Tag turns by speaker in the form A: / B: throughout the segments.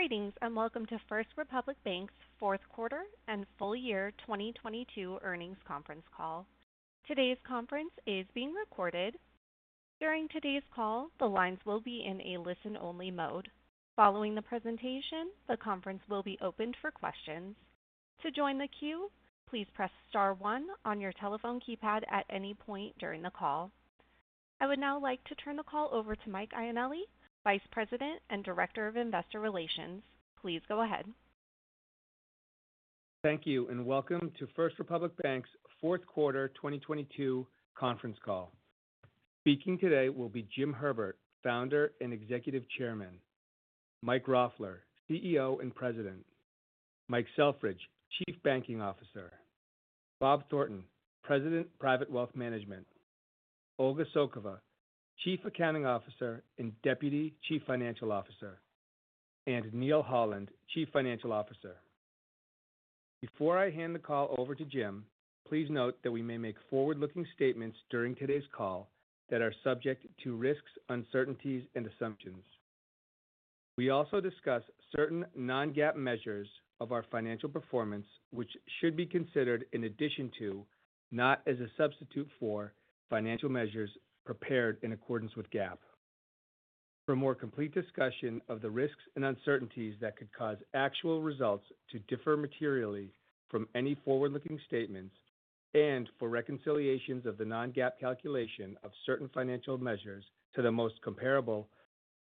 A: Greetings, and welcome to First Republic Bank's fourth quarter and full year 2022 earnings conference call. Today's conference is being recorded. During today's call, the lines will be in a listen-only mode. Following the presentation, the conference will be opened for questions. To join the queue, please press star one on your telephone keypad at any point during the call. I would now like to turn the call over to Mike Ioanilli, Vice President and Director of Investor Relations. Please go ahead.
B: Thank you. Welcome to First Republic Bank's fourth quarter 2022 conference call. Speaking today will be Jim Herbert, Founder and Executive Chairman, Mike Roffler, CEO and President, Mike Selfridge, Chief Banking Officer, Bob Thornton, President, Private Wealth Management, Olga Tsokova, Chief Accounting Officer and Deputy Chief Financial Officer, and Neal Holland, Chief Financial Officer. Before I hand the call over to Jim, please note that we may make forward-looking statements during today's call that are subject to risks, uncertainties and assumptions. We also discuss certain non-GAAP measures of our financial performance, which should be considered in addition to, not as a substitute for, financial measures prepared in accordance with GAAP. For a more complete discussion of the risks and uncertainties that could cause actual results to differ materially from any forward-looking statements and for reconciliations of the non-GAAP calculation of certain financial measures to the most comparable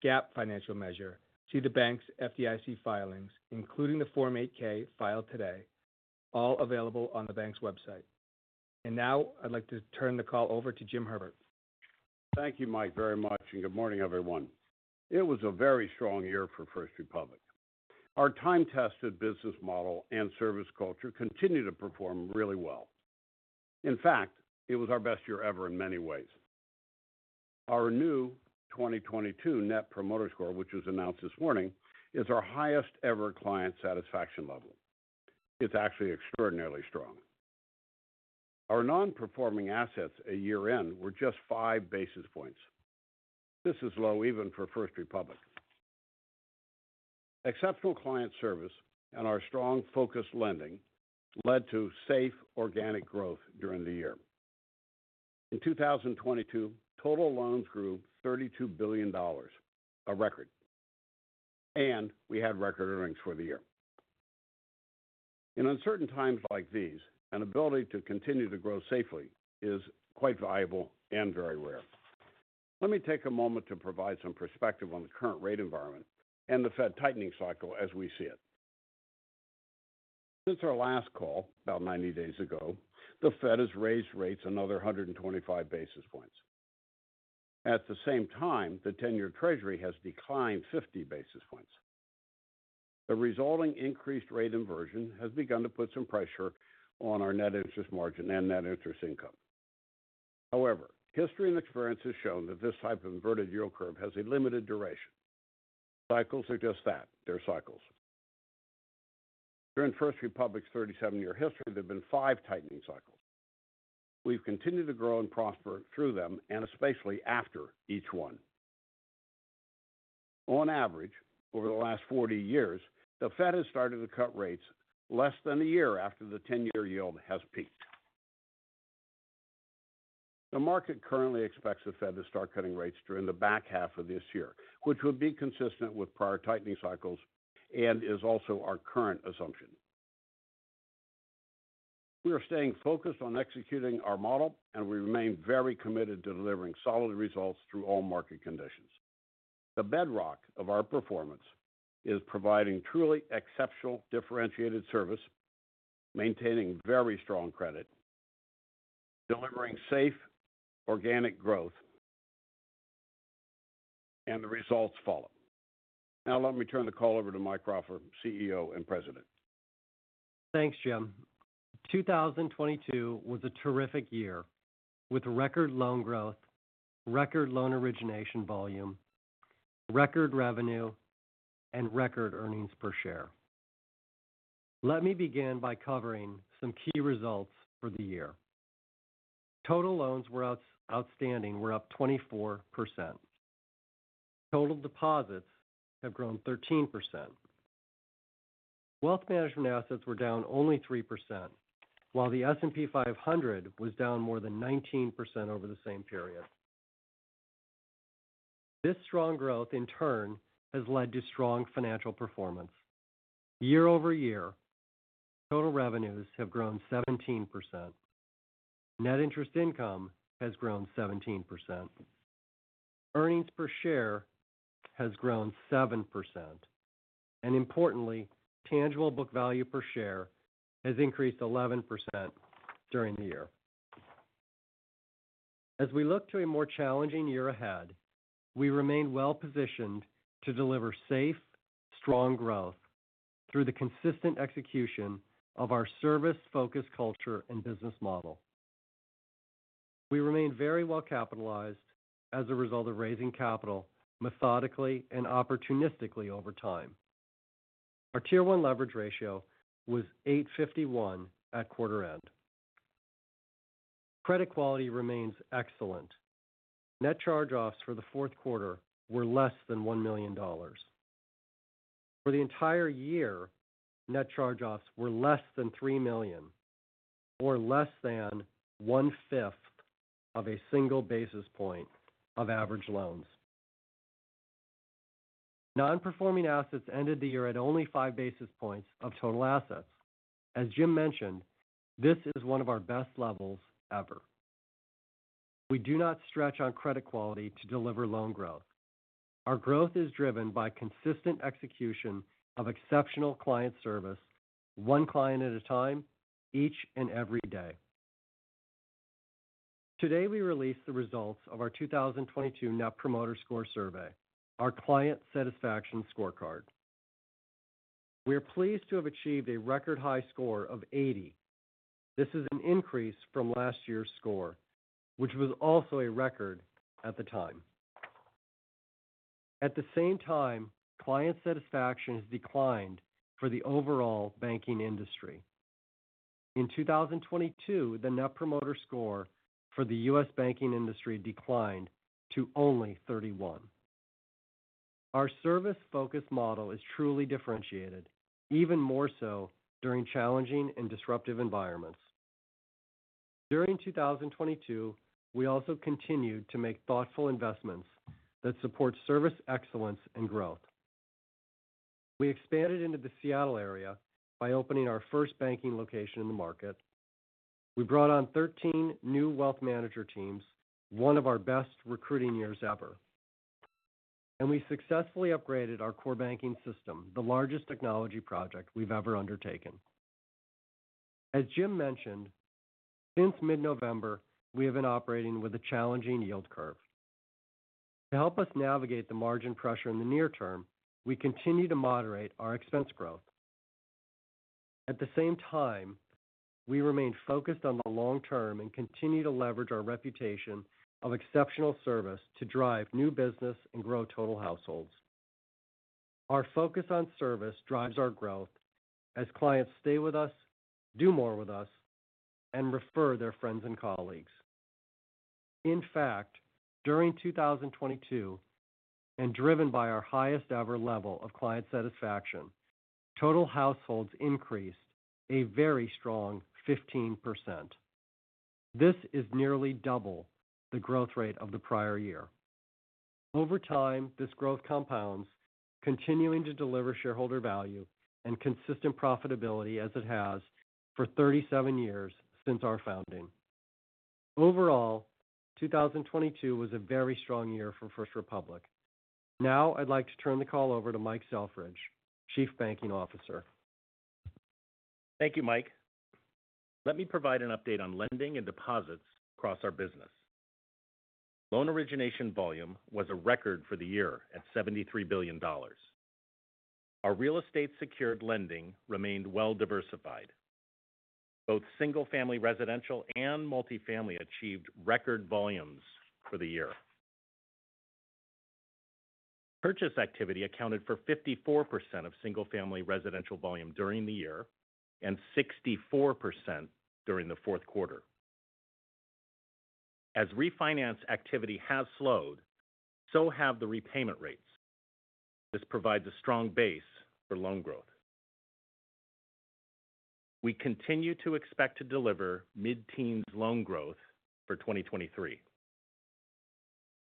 B: GAAP financial measure to the bank's FDIC filings, including the Form 8-K filed today, all available on the bank's website. Now I'd like to turn the call over to Jim Herbert.
C: Thank you, Mike, very much. Good morning, everyone. It was a very strong year for First Republic. Our time-tested business model and service culture continued to perform really well. In fact, it was our best year ever in many ways. Our new 2022 Net Promoter Score, which was announced this morning, is our highest ever client satisfaction level. It's actually extraordinarily strong. Our non-performing assets at year-end were just 5 basis points. This is low even for First Republic. Exceptional client service and our strong focused lending led to safe organic growth during the year. In 2022, total loans grew $32 billion, a record. We had record earnings for the year. In uncertain times like these, an ability to continue to grow safely is quite valuable and very rare. Let me take a moment to provide some perspective on the current rate environment and the Fed tightening cycle as we see it. Since our last call about 90 days ago, the Fed has raised rates another 125 basis points. At the same time, the 10-year treasury has declined 50 basis points. The resulting increased rate inversion has begun to put some pressure on our net interest margin and net interest income. However, history and experience has shown that this type of inverted yield curve has a limited duration. Cycles are just that. They're cycles. During First Republic's 37-year history, there have been five tightening cycles. We've continued to grow and prosper through them, and especially after each one. On average, over the last 40 years, the Fed has started to cut rates less than a year after the 10-year yield has peaked. The market currently expects the Fed to start cutting rates during the back half of this year, which would be consistent with prior tightening cycles and is also our current assumption. We are staying focused on executing our model, and we remain very committed to delivering solid results through all market conditions. The bedrock of our performance is providing truly exceptional differentiated service, maintaining very strong credit, delivering safe organic growth, and the results follow. Let me turn the call over to Mike Roffler, CEO and President.
D: Thanks, Jim. 2022 was a terrific year with record loan growth, record loan origination volume, record revenue, and record earnings per share. Let me begin by covering some key results for the year. Total loans outstanding were up 24%. Total deposits have grown 13%. Wealth management assets were down only 3%, while the S&P 500 was down more than 19% over the same period. This strong growth in turn has led to strong financial performance. Year-over-year, total revenues have grown 17%. Net interest income has grown 17%. Earnings per share has grown 7%. Importantly, tangible book value per share has increased 11% during the year. As we look to a more challenging year ahead, we remain well-positioned to deliver safe, strong growth through the consistent execution of our service-focused culture and business model. We remain very well capitalized as a result of raising capital methodically and opportunistically over time. Our Tier 1 leverage ratio was 8.51 at quarter end. Credit quality remains excellent. net charge-offs for the fourth quarter were less than $1 million. For the entire year, net charge-offs were less than $3 million, or less than one-fifth of a single basis point of average loans. non-performing assets ended the year at only five basis points of total assets. As Jim mentioned, this is one of our best levels ever. We do not stretch on credit quality to deliver loan growth. Our growth is driven by consistent execution of exceptional client service, one client at a time, each and every day. Today, we release the results of our 2022 Net Promoter Score survey, our client satisfaction scorecard. We are pleased to have achieved a record high score of 80. This is an increase from last year's score, which was also a record at the time. Client satisfaction has declined for the overall banking industry. In 2022, the Net Promoter Score for the U.S. banking industry declined to only 31. Our service-focused model is truly differentiated, even more so during challenging and disruptive environments. During 2022, we also continued to make thoughtful investments that support service excellence and growth. We expanded into the Seattle area by opening our first banking location in the market. We brought on 13 new wealth manager teams, one of our best recruiting years ever. We successfully upgraded our core banking system, the largest technology project we've ever undertaken. As Jim mentioned, since mid-November, we have been operating with a challenging yield curve. To help us navigate the margin pressure in the near term, we continue to moderate our expense growth. At the same time, we remain focused on the long term and continue to leverage our reputation of exceptional service to drive new business and grow total households. Our focus on service drives our growth as clients stay with us, do more with us, and refer their friends and colleagues. In fact, during 2022, driven by our highest ever level of client satisfaction, total households increased a very strong 15%. This is nearly double the growth rate of the prior year. Over time, this growth compounds, continuing to deliver shareholder value and consistent profitability as it has for 37 years since our founding. Overall, 2022 was a very strong year for First Republic. Now I'd like to turn the call over to Mike Selfridge, Chief Banking Officer.
E: Thank you, Mike. Let me provide an update on lending and deposits across our business. Loan origination volume was a record for the year at $73 billion. Our real estate-secured lending remained well-diversified. Both single-family residential and multifamily achieved record volumes for the year. Purchase activity accounted for 54% of single-family residential volume during the year and 64% during the fourth quarter. As refinance activity has slowed, so have the repayment rates. This provides a strong base for loan growth. We continue to expect to deliver mid-teens loan growth for 2023.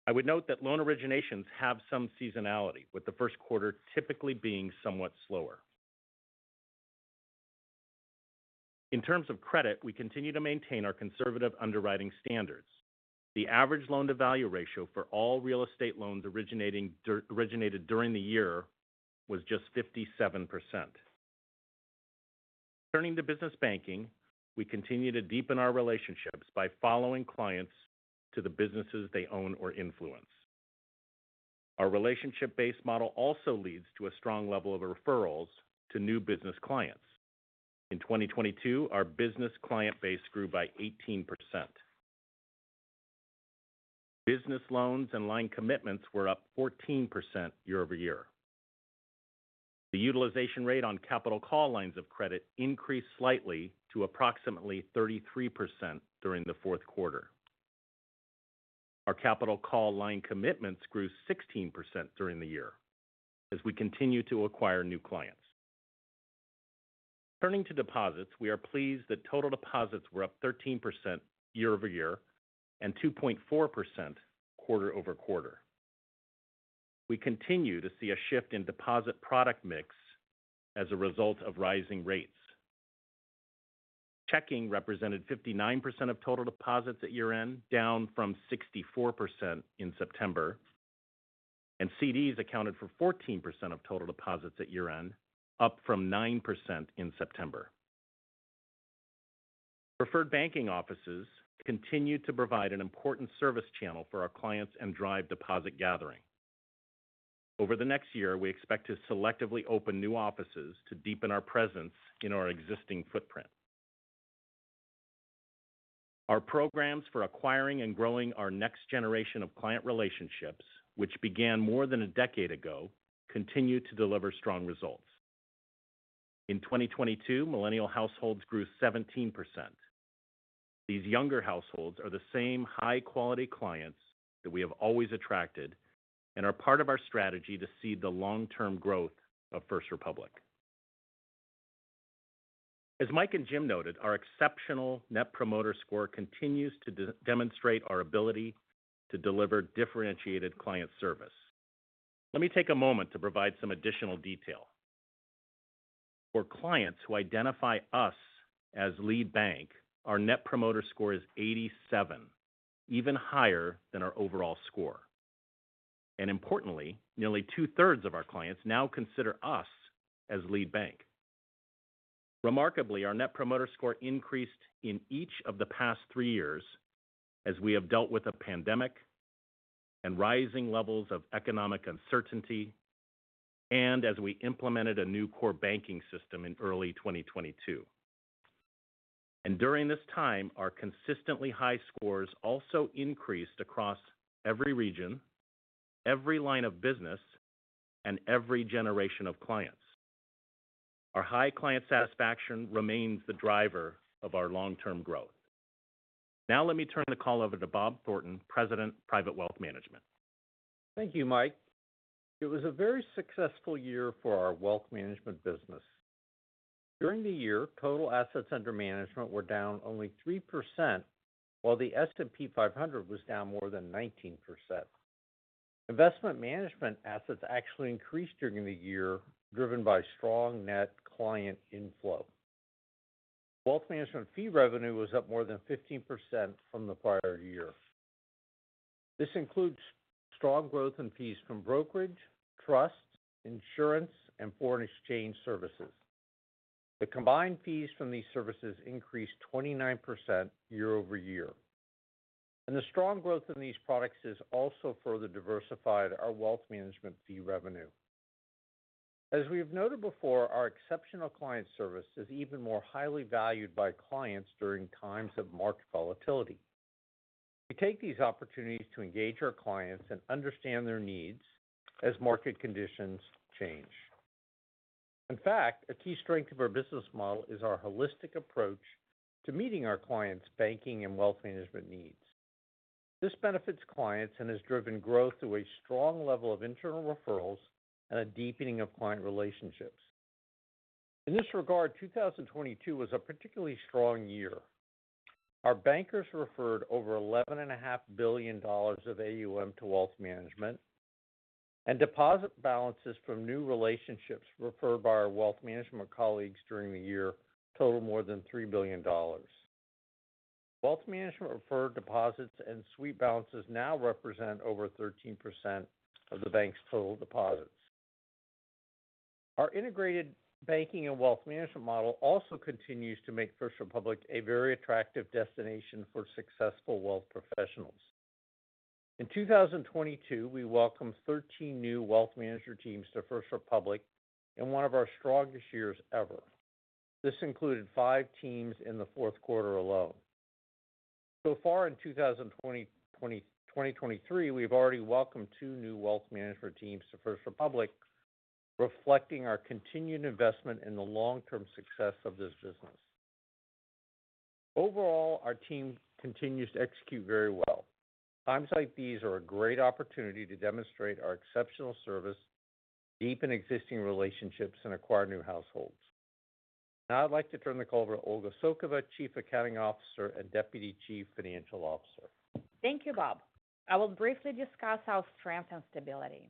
E: I would note that loan originations have some seasonality, with the first quarter typically being somewhat slower. In terms of credit, we continue to maintain our conservative underwriting standards. The average loan-to-value ratio for all real estate loans originated during the year was just 57%. Turning to business banking, we continue to deepen our relationships by following clients to the businesses they own or influence. Our relationship-based model also leads to a strong level of referrals to new business clients. In 2022, our business client base grew by 18%. Business loans and line commitments were up 14% year-over-year. The utilization rate on capital call lines of credit increased slightly to approximately 33% during the fourth quarter. Our capital call line commitments grew 16% during the year as we continue to acquire new clients. Turning to deposits, we are pleased that total deposits were up 13% year-over-year and 2.4% quarter-over-quarter. We continue to see a shift in deposit product mix as a result of rising rates. Checking represented 59% of total deposits at year-end, down from 64% in September, and CDs accounted for 14% of total deposits at year-end, up from 9% in September. Preferred banking offices continue to provide an important service channel for our clients and drive deposit gathering. Over the next year, we expect to selectively open new offices to deepen our presence in our existing footprint. Our programs for acquiring and growing our next generation of client relationships, which began more than a decade ago, continue to deliver strong results. In 2022, millennial households grew 17%. These younger households are the same high-quality clients that we have always attracted and are part of our strategy to seed the long-term growth of First Republic. As Mike and Jim noted, our exceptional Net Promoter Score continues to demonstrate our ability to deliver differentiated client service. Let me take a moment to provide some additional detail. For clients who identify us as lead bank, our Net Promoter Score is 87, even higher than our overall score. Importantly, nearly two-thirds of our clients now consider us as lead bank. Remarkably, our Net Promoter Score increased in each of the past three years as we have dealt with a pandemic and rising levels of economic uncertainty, as we implemented a new core banking system in early 2022. During this time, our consistently high scores also increased across every region, every line of business, and every generation of clients. Our high client satisfaction remains the driver of our long-term growth. Let me turn the call over to Bob Thornton, President of Private Wealth Management.
F: Thank you, Mike. It was a very successful year for our wealth management business. During the year, total assets under management were down only 3%, while the S&P 500 was down more than 19%. Investment management assets actually increased during the year, driven by strong net client inflow. Wealth management fee revenue was up more than 15% from the prior year. This includes strong growth in fees from brokerage, trust, insurance, and foreign exchange services. The combined fees from these services increased 29% year-over-year. The strong growth in these products has also further diversified our wealth management fee revenue. As we have noted before, our exceptional client service is even more highly valued by clients during times of market volatility. We take these opportunities to engage our clients and understand their needs as market conditions change. In fact, a key strength of our business model is our holistic approach to meeting our clients' banking and wealth management needs. This benefits clients and has driven growth through a strong level of internal referrals and a deepening of client relationships. In this regard, 2022 was a particularly strong year. Our bankers referred over $11.5 billion of AUM to wealth management, and deposit balances from new relationships referred by our wealth management colleagues during the year totaled more than $3 billion. Wealth management referred deposits and sweep balances now represent over 13% of the bank's total deposits. Our integrated banking and wealth management model also continues to make First Republic a very attractive destination for successful wealth professionals. In 2022, we welcomed 13 new wealth management teams to First Republic in one of our strongest years ever. This included five teams in the fourth quarter alone. So far in 2023, we've already welcomed two new wealth management teams to First Republic, reflecting our continued investment in the long-term success of this business. Overall, our team continues to execute very well. Times like these are a great opportunity to demonstrate our exceptional service, deepen existing relationships, and acquire new households. I'd like to turn the call over to Olga Tsokova, Chief Accounting Officer and Deputy Chief Financial Officer.
G: Thank you, Bob. I will briefly discuss our strength and stability.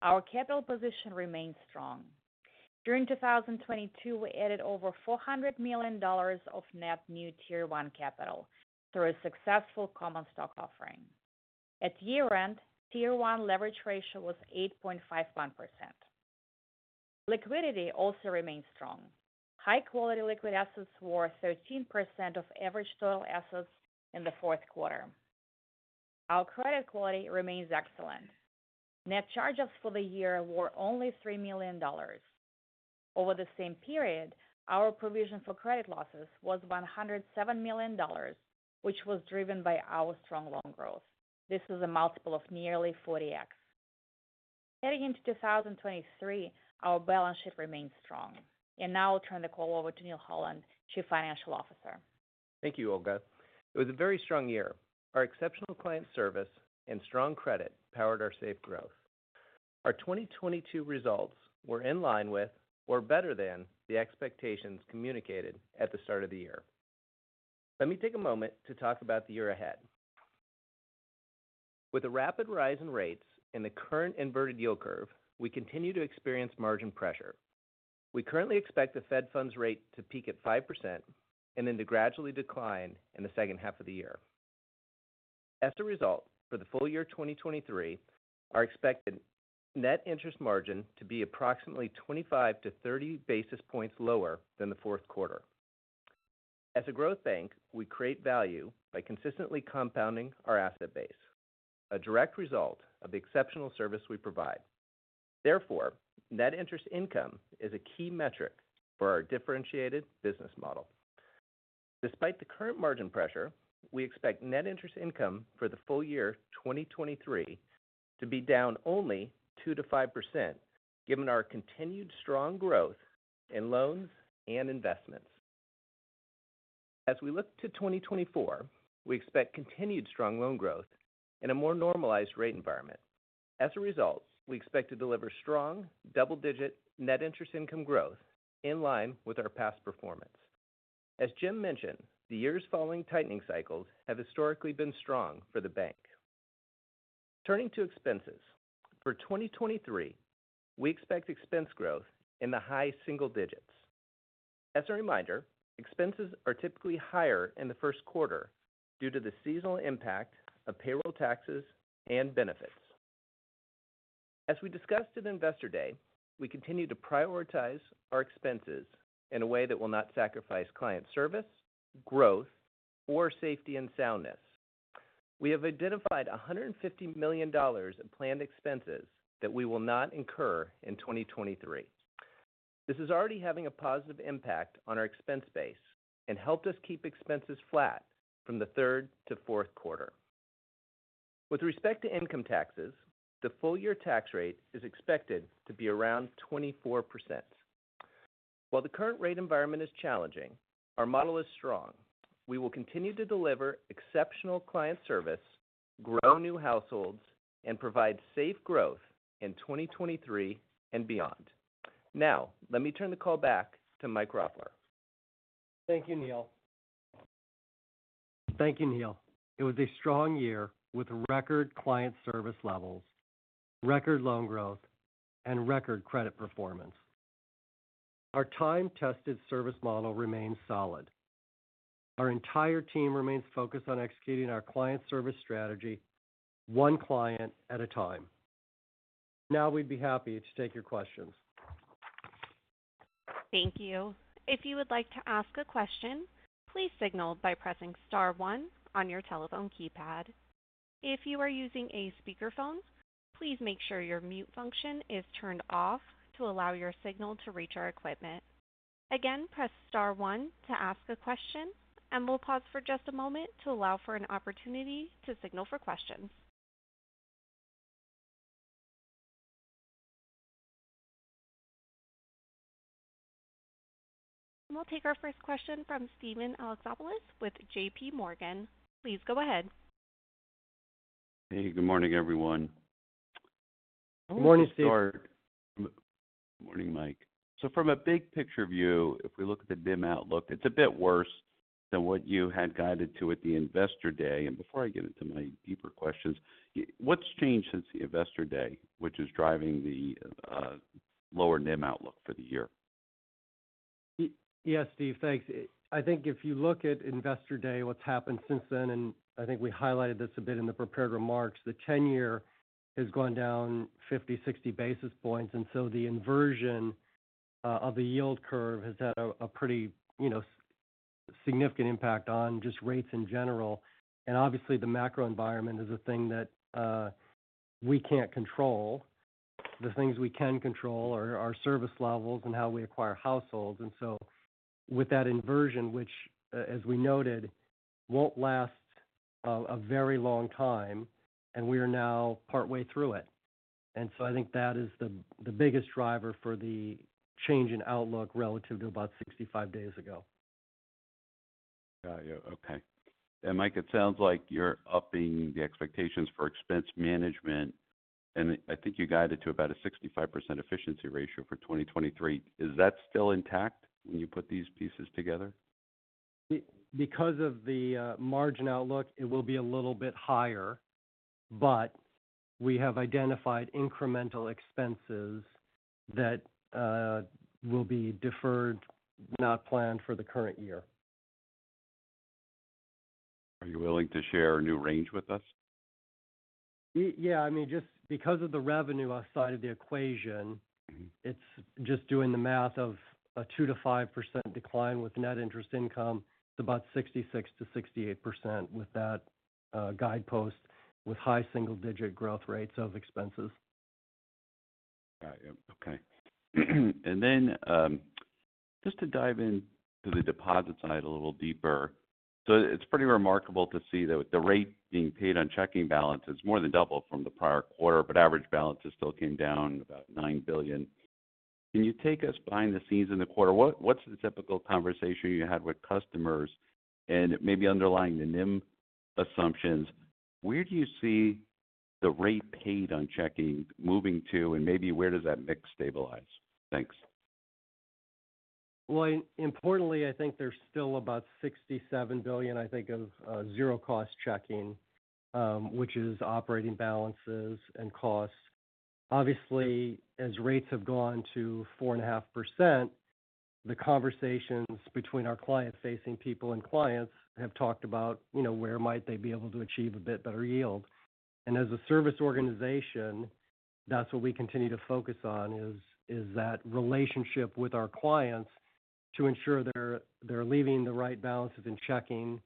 G: Our capital position remains strong. During 2022, we added over $400 million of net new Tier 1 capital through a successful common stock offering. At year-end, Tier 1 leverage ratio was 8.51%. Liquidity also remains strong. High-quality liquid assets were 13% of average total assets in the fourth quarter. Our credit quality remains excellent. Net charge-offs for the year were only $3 million. Over the same period, our provision for credit losses was $107 million, which was driven by our strong loan growth. This is a multiple of nearly 40x. Heading into 2023, our balance sheet remains strong. Now I'll turn the call over to Neal Holland, Chief Financial Officer.
H: Thank you, Olga. It was a very strong year. Our exceptional client service and strong credit powered our safe growth. Our 2022 results were in line with or better than the expectations communicated at the start of the year. Let me take a moment to talk about the year ahead. With the rapid rise in rates and the current inverted yield curve, we continue to experience margin pressure. We currently expect the Fed funds rate to peak at 5% and then to gradually decline in the second half of the year. For the full year 2023, our expected net interest margin to be approximately 25 to 30 basis points lower than the fourth quarter. As a growth bank, we create value by consistently compounding our asset base, a direct result of the exceptional service we provide. Therefore, net interest income is a key metric for our differentiated business model. Despite the current margin pressure, we expect net interest income for the full year 2023 to be down only 2%-5%, given our continued strong growth in loans and investments. As we look to 2024, we expect continued strong loan growth in a more normalized rate environment. As a result, we expect to deliver strong double-digit net interest income growth in line with our past performance. As Jim mentioned, the years following tightening cycles have historically been strong for the bank. Turning to expenses. For 2023, we expect expense growth in the high single digits. As a reminder, expenses are typically higher in the first quarter due to the seasonal impact of payroll taxes and benefits. As we discussed at Investor Day, we continue to prioritize our expenses in a way that will not sacrifice client service, growth, or safety and soundness. We have identified $150 million in planned expenses that we will not incur in 2023. This is already having a positive impact on our expense base and helped us keep expenses flat from the third to fourth quarter. With respect to income taxes, the full year tax rate is expected to be around 24%. While the current rate environment is challenging, our model is strong. We will continue to deliver exceptional client service, grow new households, and provide safe growth in 2023 and beyond. Let me turn the call back to Mike Roffler.
D: Thank you, Neal. Thank you, Neal. It was a strong year with record client service levels, record loan growth, and record credit performance. Our time-tested service model remains solid. Our entire team remains focused on executing our client service strategy one client at a time. We'd be happy to take your questions.
A: Thank you. If you would like to ask a question, please signal by pressing star one on your telephone keypad. If you are using a speakerphone, please make sure your mute function is turned off to allow your signal to reach our equipment. Again, press star one to ask a question, and we'll pause for just a moment to allow for an opportunity to signal for questions. We'll take our first question from Steven Alexopoulos with JPMorgan. Please go ahead.
I: Hey, good morning, everyone.
D: Morning, Steve.
I: Morning, Mike. From a big picture view, if we look at the NIM outlook, it's a bit worse than what you had guided to at the Investor Day. Before I get into my deeper questions, what's changed since the Investor Day, which is driving the lower NIM outlook for the year?
D: Yes, Steve. Thanks. I think if you look at Investor Day, what's happened since then, I think we highlighted this a bit in the prepared remarks, the 10-year has gone down 50, 60 basis points, so the inversion of the yield curve has had a pretty, you know, significant impact on just rates in general. Obviously, the macro environment is a thing that we can't control. The things we can control are our service levels and how we acquire households. With that inversion, which as we noted, won't last a very long time, and we are now partway through it. I think that is the biggest driver for the change in outlook relative to about 65 days ago.
I: Got you. Okay. Mike, it sounds like you're upping the expectations for expense management, and I think you guided to about a 65% efficiency ratio for 2023. Is that still intact when you put these pieces together?
D: Because of the margin outlook, it will be a little bit higher, but we have identified incremental expenses that will be deferred, not planned for the current year.
I: Are you willing to share a new range with us?
D: Yeah. I mean, just because of the revenue outside of the equation.
I: Mm-hmm.
D: It's just doing the math of a 2%-5% decline with net interest income to about 66%-68% with that guidepost with high single digit growth rates of expenses.
I: Got you. Okay. Just to dive into the deposit side a little deeper. It's pretty remarkable to see that with the rate being paid on checking balances more than double from the prior quarter, but average balances still came down about $9 billion. Can you take us behind the scenes in the quarter? What's the typical conversation you had with customers? Maybe underlying the NIM assumptions, where do you see the rate paid on checking moving to, and maybe where does that mix stabilize? Thanks.
D: Importantly, I think there's still about $67 billion of zero cost checking, which is operating balances and costs. Obviously, as rates have gone to 4.5%, the conversations between our client-facing people and clients have talked about, you know, where might they be able to achieve a bit better yield. As a service organization, that's what we continue to focus on is that relationship with our clients to ensure they're leaving the right balances in checking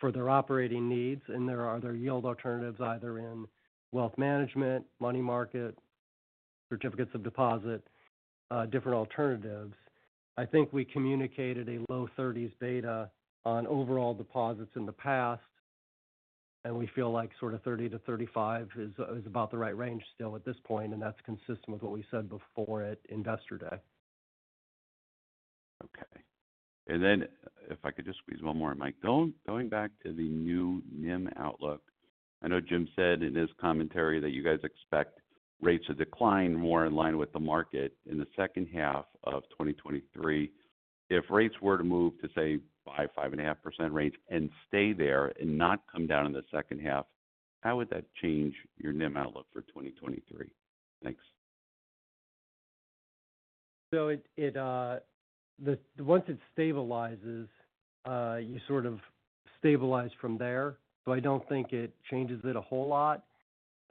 D: for their operating needs. There are other yield alternatives either in wealth management, money market, Certificates of deposit, different alternatives. I think we communicated a low 30s beta on overall deposits in the past. We feel like sort of 30%-35% is about the right range still at this point. That's consistent with what we said before at Investor Day.
I: Okay. Then if I could just squeeze one more in, Mike. Going back to the new NIM outlook. I know Jim said in his commentary that you guys expect rates to decline more in line with the market in the second half of 2023. If rates were to move to, say, high 5.5% range and stay there and not come down in the second half, how would that change your NIM outlook for 2023? Thanks.
D: It, once it stabilizes, you sort of stabilize from there. I don't think it changes it a whole lot.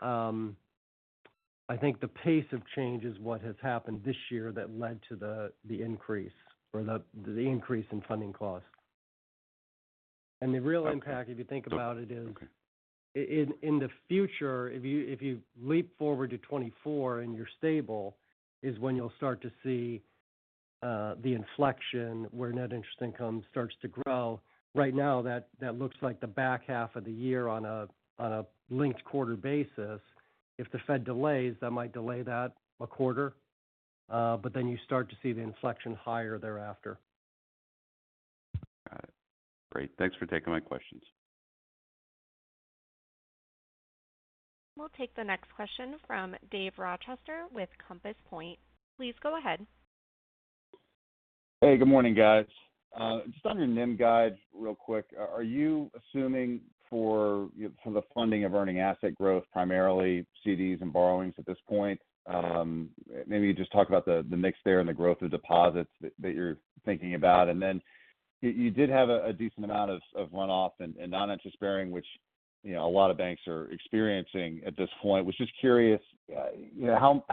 D: I think the pace of change is what has happened this year that led to the increase or the increase in funding costs. The real impact, if you think about it, is in the future, if you leap forward to 2024 and you're stable, is when you'll start to see the inflection where net interest income starts to grow. Right now, that looks like the back half of the year on a linked quarter basis. If the Fed delays, that might delay that a quarter, you start to see the inflection higher thereafter.
I: Got it. Great. Thanks for taking my questions.
A: We'll take the next question from Dave Rochester with Compass Point. Please go ahead.
J: Hey, good morning, guys. Just on your NIM guide real quick, are you assuming for, you know, for the funding of earning asset growth, primarily CDs and borrowings at this point? Maybe just talk about the mix there and the growth of deposits that you're thinking about. You did have a decent amount of runoff and non-interest-bearing, which, you know, a lot of banks are experiencing at this point. Was just curious, you know,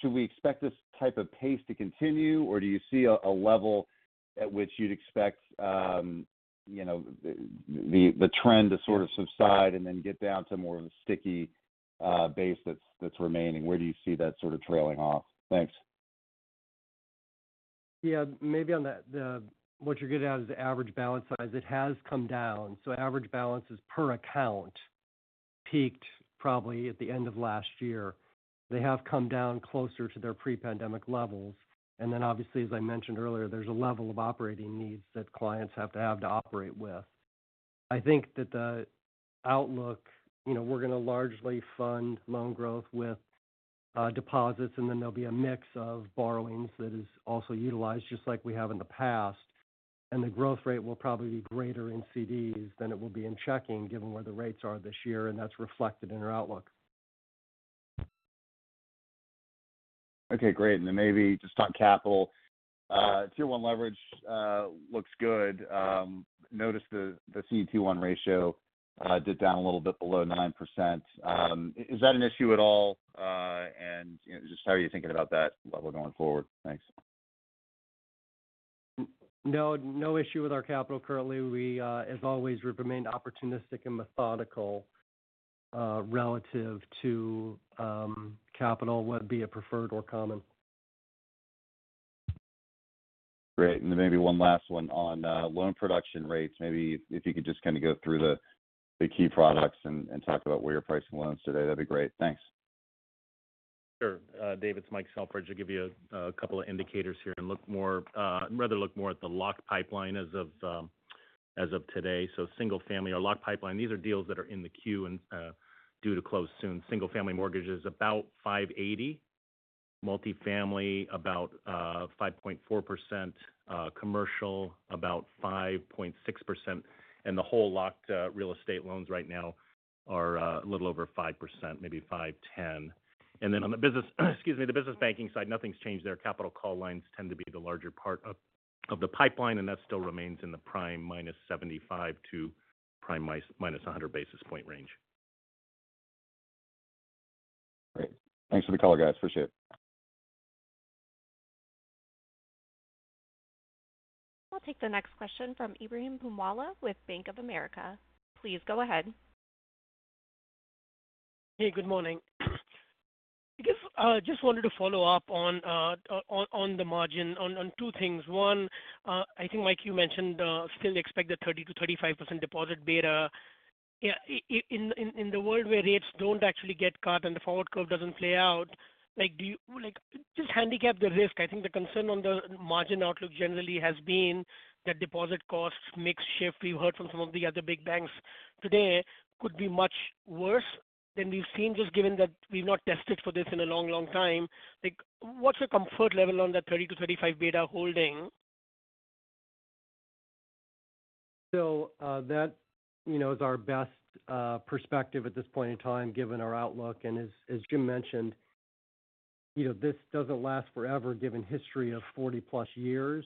J: should we expect this type of pace to continue, or do you see a level at which you'd expect, you know, the trend to sort of subside and then get down to more of a sticky, base that's remaining? Where do you see that sort of trailing off? Thanks.
D: Maybe on what you're getting at is the average balance size. It has come down. Average balances per account peaked probably at the end of last year. They have come down closer to their pre-pandemic levels. Obviously, as I mentioned earlier, there's a level of operating needs that clients have to operate with. I think that the outlook, you know, we're going to largely fund loan growth with deposits, and then there'll be a mix of borrowings that is also utilized just like we have in the past. The growth rate will probably be greater in CDs than it will be in checking, given where the rates are this year, and that's reflected in our outlook.
J: Okay, great. Maybe just on capital. Tier 1 leverage looks good. Noticed the CET1 ratio did down a little bit below 9%. Is that an issue at all? You know, just how are you thinking about that level going forward? Thanks.
D: No, no issue with our capital currently. We, as always, we've remained opportunistic and methodical, relative to, capital, whether it be a preferred or common.
J: Great. Maybe one last one on loan production rates. Maybe if you could just kind of go through the key products and talk about where you're pricing loans today, that'd be great. Thanks.
E: Sure. Dave, it's Mike Selfridge. I'll give you a couple of indicators here and look more, rather look more at the locked pipeline as of today. Single-family. Our locked pipeline, these are deals that are in the queue and due to close soon. Single-family mortgages, about $580. Multifamily, about 5.4%. Commercial, about 5.6%. The whole locked real estate loans right now are a little over 5%, maybe 5.10%. On the business, excuse me, the business banking side, nothing's changed there. capital call lines tend to be the larger part of the pipeline, and that still remains in the prime minus 75 to prime minus 100 basis point range.
J: Great. Thanks for the color, guys. Appreciate it.
A: I'll take the next question from Ebrahim Poonawala with Bank of America. Please go ahead.
K: Hey, good morning. I guess I just wanted to follow up on the margin on two things. One, I think, Mike, you mentioned, still expect the 30%-35% deposit beta. Yeah, in the world where rates don't actually get cut and the forward curve doesn't play out, like do you like just handicap the risk. I think the concern on the margin outlook generally has been that deposit costs may shift. We've heard from some of the other big banks today could be much worse than we've seen, just given that we've not tested for this in a long, long time. Like, what's your comfort level on that 30%-35% beta holding?
D: That, you know, is our best perspective at this point in time, given our outlook. As Jim mentioned, you know, this doesn't last forever given history of 40-plus years.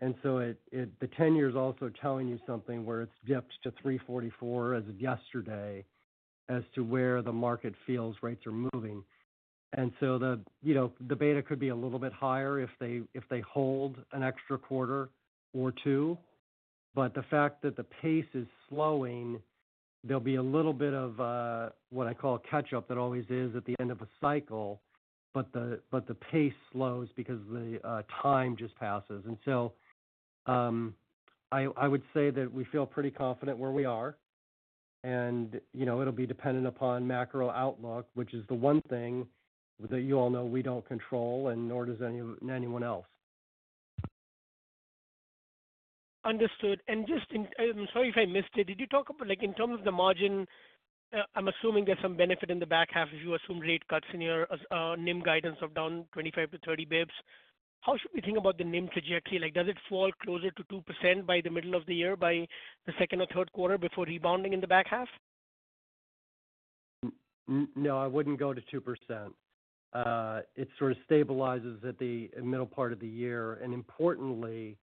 D: The 10-year's also telling you something where it's dipped to 3.44 as of yesterday as to where the market feels rates are moving. You know, the beta could be a little bit higher if they hold an extra quarter or two. But the fact that the pace is slowing, there'll be a little bit of what I call catch up. That always is at the end of a cycle, but the pace slows because the time just passes. I would say that we feel pretty confident where we are. You know, it'll be dependent upon macro outlook, which is the one thing that you all know we don't control and nor does anyone else.
K: Understood. I'm sorry if I missed it. Did you talk about like in terms of the margin, I'm assuming there's some benefit in the back half if you assume rate cuts in your NIM guidance of down 25 to 30 basis points. How should we think about the NIM trajectory? Like, does it fall closer to 2% by the middle of the year by the second or third quarter before rebounding in the back half?
D: No, I wouldn't go to 2%. It sort of stabilizes at the middle part of the year. Importantly,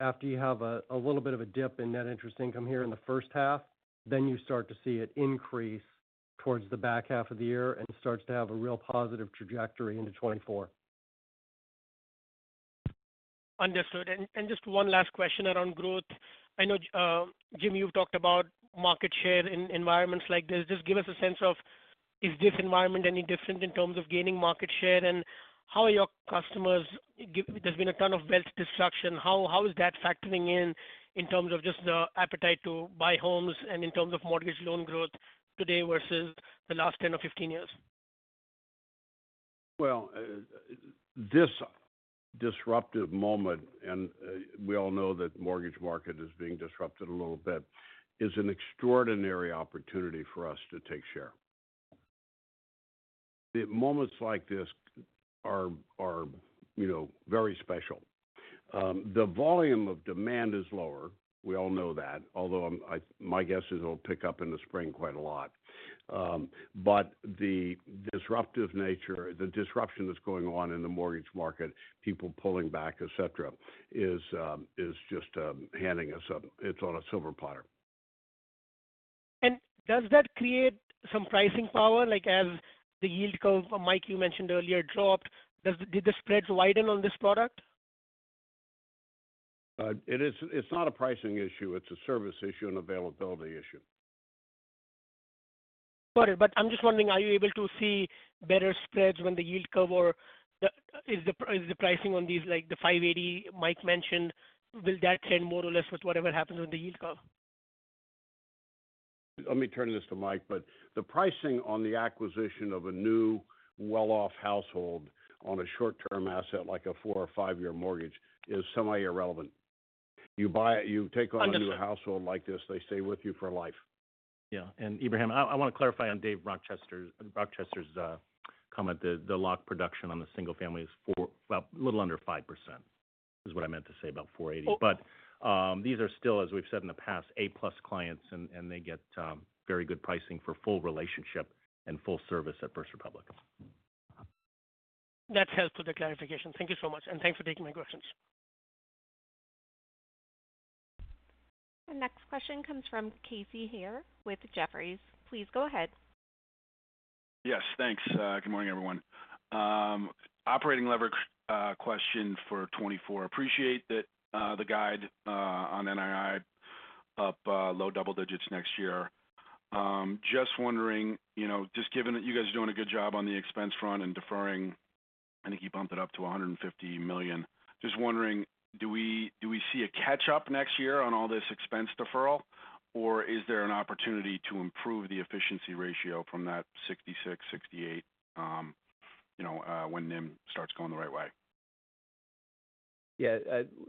D: after you have a little bit of a dip in net interest income here in the first half, then you start to see it increase towards the back half of the year and starts to have a real positive trajectory into 2024.
K: Understood. Just one last question around growth. I know Jim, you've talked about market share in environments like this. Just give us a sense of, is this environment any different in terms of gaining market share? How are your customers there's been a ton of wealth destruction. How is that factoring in terms of just the appetite to buy homes and in terms of mortgage loan growth today versus the last 10 or 15 years?
C: This disruptive moment, and we all know that mortgage market is being disrupted a little bit, is an extraordinary opportunity for us to take share. The moments like this are, you know, very special. The volume of demand is lower. We all know that. My guess is it'll pick up in the spring quite a lot. The disruptive nature, the disruption that's going on in the mortgage market, people pulling back, et cetera, is just. It's on a silver platter.
K: Does that create some pricing power? Like as the yield curve, Mike, you mentioned earlier, dropped, did the spreads widen on this product?
C: It's not a pricing issue, it's a service issue and availability issue.
K: Got it. I'm just wondering, are you able to see better spreads when the yield curve or is the pricing on these, like the 580 Mike mentioned, will that trend more or less with whatever happens on the yield curve?
C: Let me turn this to Mike, but the pricing on the acquisition of a new well-off household on a short-term asset like a four or five-year mortgage is semi-irrelevant. You buy it, you take on-.
K: Understood.
C: A new household like this, they stay with you for life.
E: Yeah. Ebrahim, I want to clarify on Dave Rochester's comment. The lock production on the single family is well, a little under 5% is what I meant to say about 4.80%.
K: Oh.
E: These are still, as we've said in the past, A+ clients and they get very good pricing for full relationship and full service at First Republic.
K: That helps with the clarification. Thank you so much, and thanks for taking my questions.
A: The next question comes from Casey Haire with Jefferies. Please go ahead.
L: Yes, thanks. Good morning, everyone. Operating leverage question for 2024. Appreciate that the guide on NII up low double digits next year. Just wondering, you know, just given that you guys are doing a good job on the expense front and deferring, I think you bumped it up to $150 million. Just wondering, do we see a catch-up next year on all this expense deferral, or is there an opportunity to improve the efficiency ratio from that 66%-68%, you know, when NIM starts going the right way?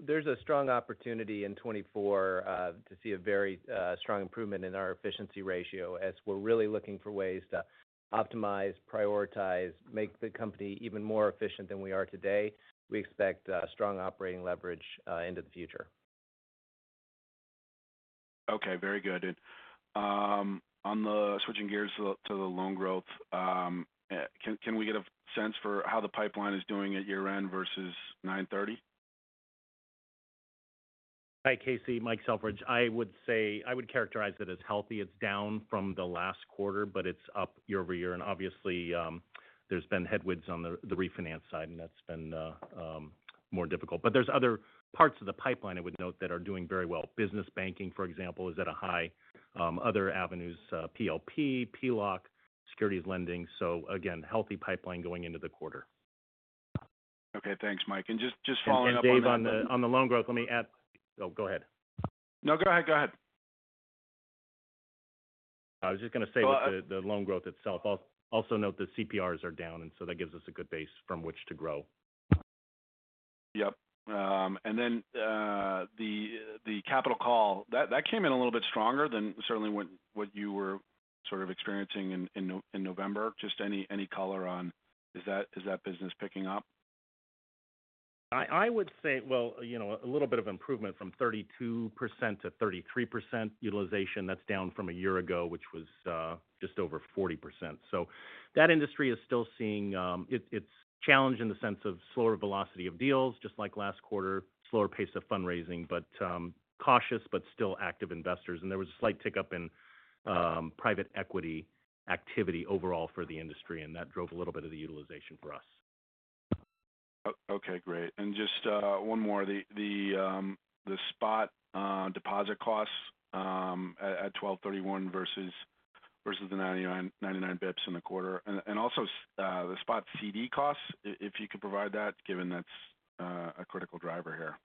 E: There's a strong opportunity in 2024, to see a very, strong improvement in our efficiency ratio as we're really looking for ways to optimize, prioritize, make the company even more efficient than we are today. We expect a strong operating leverage, into the future.
L: Okay. Very good. On the switching gears to the loan growth, can we get a sense for how the pipeline is doing at year-end versus 9/30?
E: Hi, Casey. Mike Selfridge. I would say I would characterize it as healthy. It's down from the last quarter, but it's up year-over-year. Obviously, there's been headwinds on the refinance side, and that's been more difficult. There's other parts of the pipeline I would note that are doing very well. business banking, for example, is at a high. Other avenues, PLP, PLOC, securities lending. Again, healthy pipeline going into the quarter.
L: Okay. Thanks, Mike. Just following up on that.
E: Dave, on the loan growth, let me add. Oh, go ahead.
L: No, go ahead. Go ahead.
E: I was just gonna say the loan growth itself. I'll also note the CPRs are down, and so that gives us a good base from which to grow.
L: Yep. The, the capital call, that came in a little bit stronger than certainly what you were sort of experiencing in November. Just any color on is that, is that business picking up?
E: I would say, well, you know, a little bit of improvement from 32% to 33% utilization. That's down from a year ago, which was just over 40%. That industry is still seeing, it's challenged in the sense of slower velocity of deals, just like last quarter. Slower pace of fundraising, but cautious but still active investors. There was a slight tick up in private equity activity overall for the industry, and that drove a little bit of the utilization for us.
L: Okay, great. Just one more. The spot deposit costs at 12/31 versus the 99 basis points in the quarter. Also the spot CDs costs, if you could provide that, given that's a critical driver here.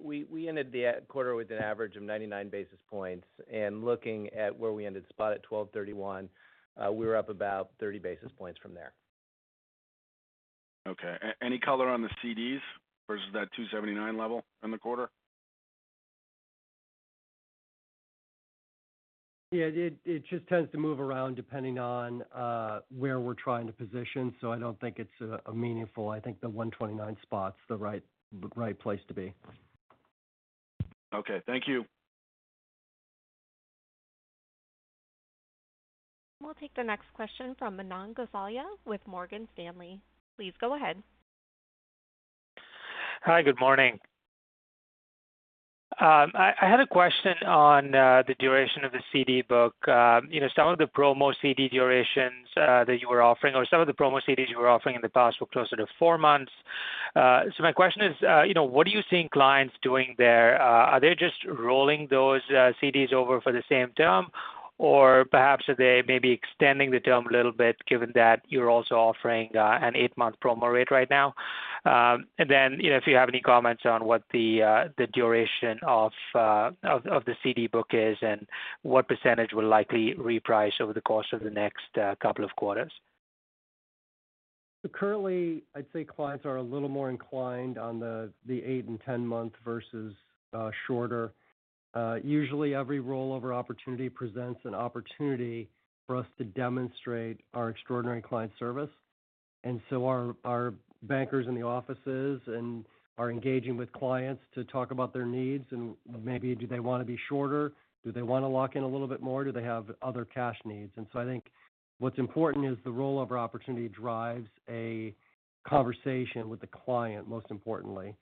D: We ended the quarter with an average of 99 basis points. Looking at where we ended spot at 12/31, we were up about 30 basis points from there.
L: Okay. any color on the CDs versus that $2.79 level in the quarter?
D: Yeah. It just tends to move around depending on where we're trying to position. I don't think it's meaningful. I think the $129 spot's the right place to be.
L: Okay, thank you.
A: We'll take the next question from Manan Gosalia with Morgan Stanley. Please go ahead.
M: Hi, good morning. I had a question on the duration of the CD book. You know, some of the promo CD durations that you were offering or some of the promo CDs you were offering in the past were closer to four months. My question is, you know, what are you seeing clients doing there? Are they just rolling those CDs over for the same term? Perhaps are they maybe extending the term a little bit given that you're also offering an eight-month promo rate right now? Then, you know, if you have any comments on what the duration of the CD book is and what percentage will likely reprice over the course of the next couple of quarters.
D: Currently, I'd say clients are a little more inclined on the 8- and 10-month versus shorter. Usually, every rollover opportunity presents an opportunity for us to demonstrate our extraordinary client service. Our bankers in the offices are engaging with clients to talk about their needs and maybe do they want to be shorter? Do they want to lock in a little bit more? Do they have other cash needs? I think what's important is the rollover opportunity drives a conversation with the client, most importantly.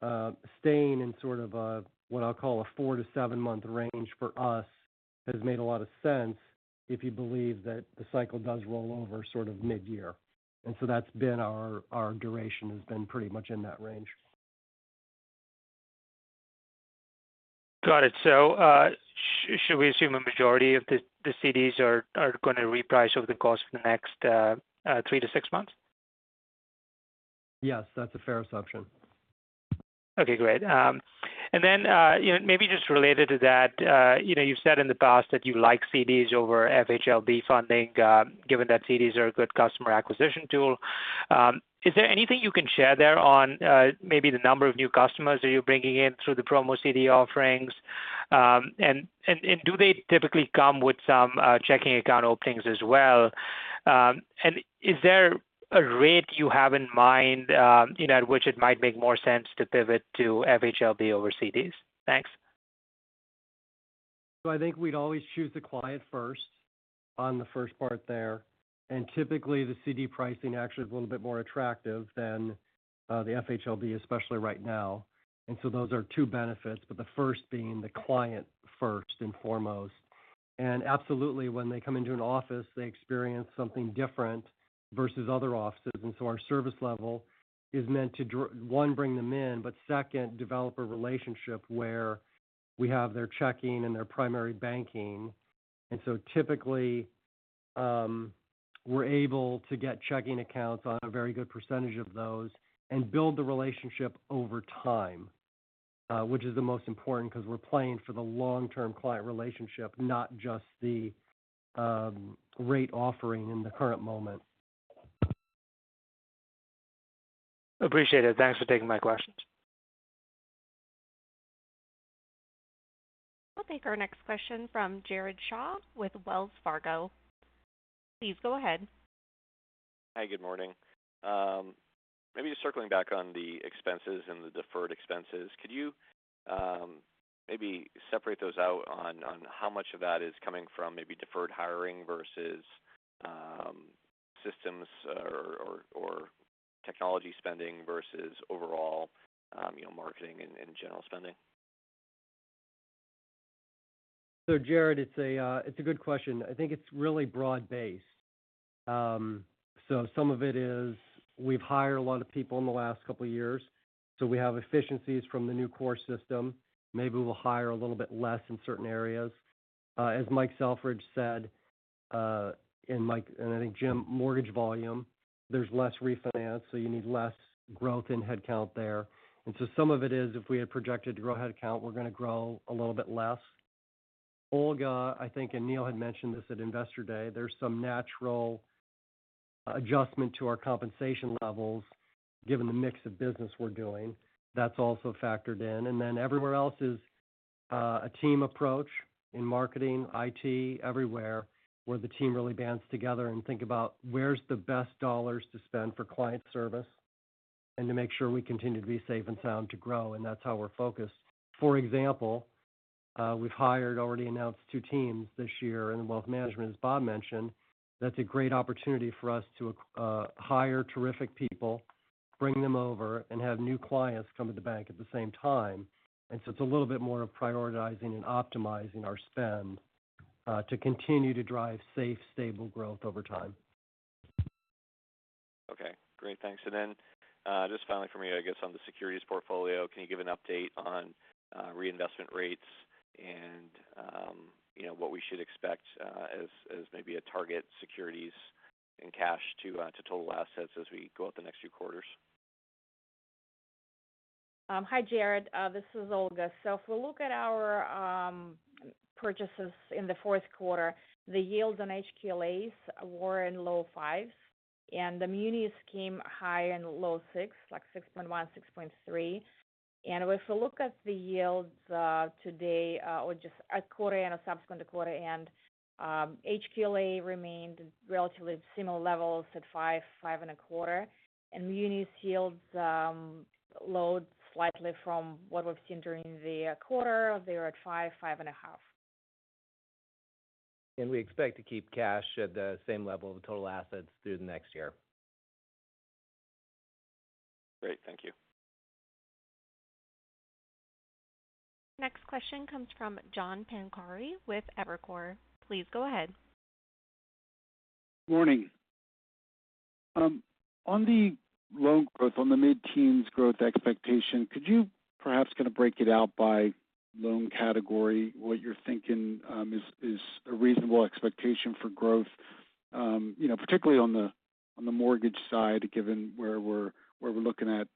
D: Given what we talked about with the cycles earlier, staying in sort of a what I'll call a four to sevenmonth range for us has made a lot of sense if you believe that the cycle does roll over sort of mid-year. That's been our duration has been pretty much in that range.
M: Got it. Should we assume a majority of the CDs are gonna reprice over the course of the next three to six months?
D: Yes, that's a fair assumption.
M: Okay, great. Then, you know, maybe just related to that, you know, you've said in the past that you like CDs over FHLB funding, given that CDs are a good customer acquisition tool. Is there anything you can share there on maybe the number of new customers that you're bringing in through the promo CD offerings? Do they typically come with some checking account openings as well? Is there a rate you have in mind, you know, at which it might make more sense to pivot to FHLB over CDs? Thanks.
D: I think we'd always choose the client first on the first part there. Typically the CD pricing actually is a little bit more attractive than the FHLB, especially right now. Those are two benefits, but the first being the client first and foremost. Absolutely, when they come into an office, they experience something different versus other offices. Our service level is meant to one, bring them in, but second, develop a relationship where we have their checking and their primary banking. Typically, we're able to get checking accounts on a very good percentage of those and build the relationship over time, which is the most important because we're playing for the long-term client relationship, not just the rate offering in the current moment.
M: Appreciate it. Thanks for taking my questions.
A: We'll take our next question from Jared Shaw with Wells Fargo. Please go ahead.
N: Hi, good morning. Maybe just circling back on the expenses and the deferred expenses. Could you, maybe separate those out on how much of that is coming from maybe deferred hiring versus systems or technology spending versus overall, you know, marketing and general spending?
D: Jared, it's a good question. I think it's really broad-based. Some of it is we've hired a lot of people in the last couple of years, so we have efficiencies from the new core system. Maybe we'll hire a little bit less in certain areas. As Mike Selfridge said, in Mike, and I think Jim mortgage volume, there's less refinance, so you need less growth in headcount there. Some of it is if we had projected to grow headcount, we're going to grow a little bit less. Olga, I think, and Neal had mentioned this at Investor Day, there's some natural adjustment to our compensation levels given the mix of business we're doing. That's also factored in. Everywhere else is a team approach in marketing, IT, everywhere, where the team really bands together and think about where's the best dollars to spend for client service and to make sure we continue to be safe and sound to grow. That's how we're focused. For example, we've hired already announced two teams this year in wealth management, as Bob mentioned. That's a great opportunity for us to hire terrific people.
F: Bring them over and have new clients come to the bank at the same time. It's a little bit more of prioritizing and optimizing our spend, to continue to drive safe, stable growth over time.
N: Okay, great. Thanks. Just finally for me, I guess on the securities portfolio, can you give an update on reinvestment rates and, you know, what we should expect as maybe a target securities in cash to total assets as we go out the next few quarters?
G: Hi, Jared. This is Olga. If we look at our purchases in the fourth quarter, the yields on HQLA were in low 5%s, and the munis came high and low 6%s, like 6.1%, 6.3. If we look at the yields today, or just a quarter and a subsequent quarter, HQLA remained relatively similar levels at five and a quarter. Munis yields low slightly from what we've seen during the quarter. They were at five and a half.
F: We expect to keep cash at the same level of total assets through the next year.
N: Great. Thank you.
A: Next question comes from John Pancari with Evercore. Please go ahead.
O: Morning. On the loan growth, on the mid-teens growth expectation, could you perhaps kind of break it out by loan category, what you're thinking, is a reasonable expectation for growth, you know, particularly on the mortgage side, given where we're looking at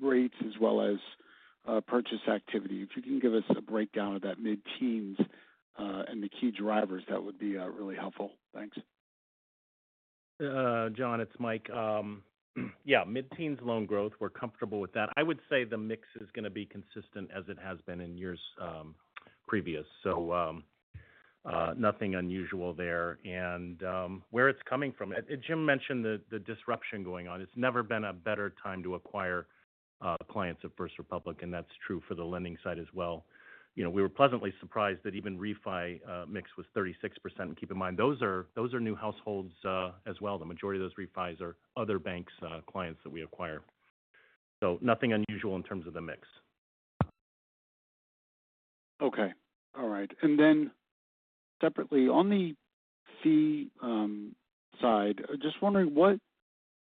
O: rates as well as purchase activity. If you can give us a breakdown of that mid-teens and the key drivers, that would be really helpful. Thanks.
E: John, it's Mike. Yeah, mid-teens loan growth, we're comfortable with that. I would say the mix is gonna be consistent as it has been in years previous. Nothing unusual there. Where it's coming from. Jim mentioned the disruption going on. It's never been a better time to acquire clients at First Republic, and that's true for the lending side as well. You know, we were pleasantly surprised that even refi mix was 36%. Keep in mind, those are new households as well. The majority of those refis are other banks' clients that we acquire. Nothing unusual in terms of the mix.
O: Okay. All right. Separately, on the fee side, just wondering what